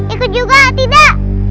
ikut juga tidak